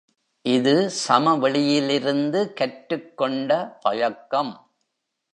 இது சமவெளியிலிருந்து கற்றுக் கொண்ட பழக்கம்.